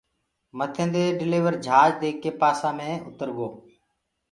مٿينٚدي جھاج ڊليورو ديک ڪي پاسا مي اُترگو